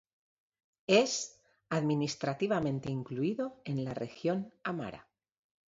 Es administrativamente incluido en la Región Amara.